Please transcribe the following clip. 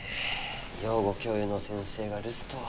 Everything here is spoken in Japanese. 養護教諭の先生が留守とは。